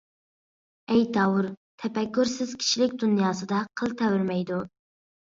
ئەيتاۋۇر، تەپەككۇرسىز كىشىلىك دۇنياسىدا «قىل تەۋرىمەيدۇ» !